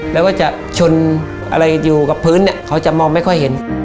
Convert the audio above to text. แล้วก็จะชนอะไรอยู่กับพื้นเนี่ยเขาจะมองไม่ค่อยเห็น